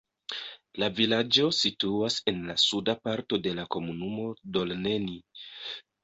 La vilaĝo situas en la suda parto de la komunumo Dolneni.